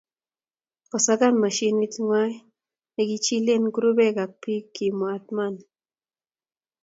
kosakan mashinit ng'wang ne kichikilen kurubeek ak biik, kimwa Athaman.